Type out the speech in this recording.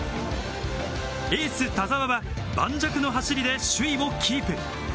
エース・田澤は盤石の走りで首位をキープ。